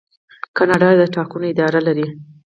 کاناډا د ټاکنو اداره لري.